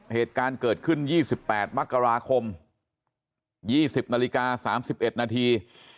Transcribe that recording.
เหตุการณ์เกิดขึ้น๒๘มกราคม๒๐นาฬิกา๓๑นาที